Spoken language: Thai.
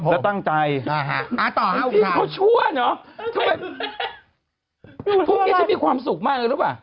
และตั้งใจพี่เขาชั่วเหรอทำไมพวกนี้จะมีความสุขมากเลยหรือเปล่า